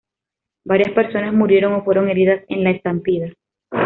Varias personas murieron o fueron heridas en la estampida.